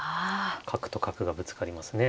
角と角がぶつかりますね。